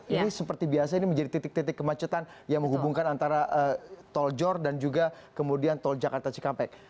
ini seperti biasa ini menjadi titik titik kemacetan yang menghubungkan antara tol jor dan juga kemudian tol jakarta cikampek